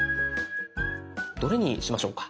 どれにしましょうか？